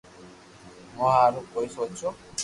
مون ھارو ڪوئي سوچو